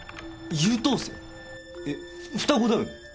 えっ双子だよね？